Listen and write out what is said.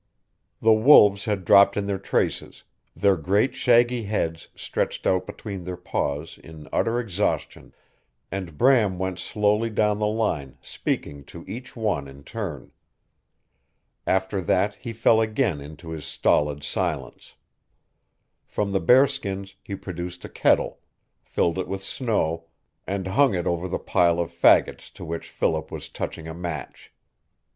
The wolves had dropped in their traces, their great shaggy heads stretched out between their paws in utter exhaustion, and Bram went slowly down the line speaking to each one in turn. After that he fell again into his stolid silence. From the bear skins he produced a kettle, filled it with snow, and hung it over the pile of fagots to which Philip was touching a match.